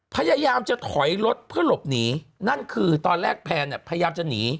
พยายามจะถอยรถเพื่อหลบหนีนั่นคือตอนแรกแพนเนี่ยพยายามจะหนี